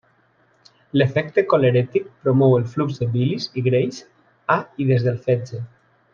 L'efecte colerètic promou el flux de bilis i greix a i des del fetge.